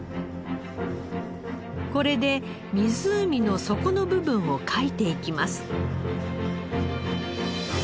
これで湖の底の部分を掻いていきます。